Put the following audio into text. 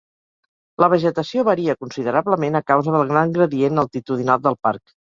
La vegetació varia considerablement a causa del gran gradient altitudinal del parc.